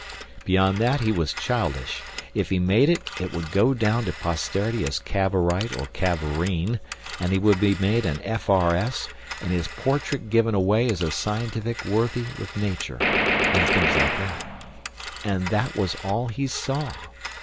Beyond that, he was childish! If he made it, it would go down to posterity as Cavorite or Cavorine, and he would be made an F.R.S., and his portrait given away as a scientific worthy with Nature, and things like that. And that was all he saw!